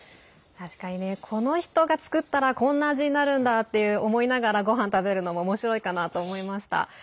この人が作ったらこんな味になるんだって思いながら、ごはん食べるのもおもしろいかなと思いました。